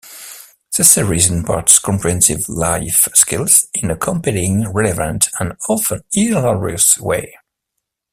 The series imparts comprehensive life skills in a compelling, relevant, and often hilarious way.